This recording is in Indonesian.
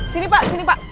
sini pak sini pak